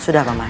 sudah pak man